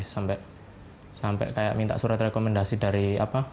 sampai kayak minta surat rekomendasi dari apa